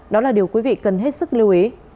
đó là điều quý vị cần hết sức lưu ý